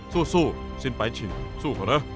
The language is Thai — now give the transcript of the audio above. สู้สู้สินไปชินสู้เขาเลย